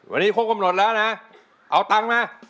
วันนี้ครบกำหนดแล้วนะเอาตังค์มา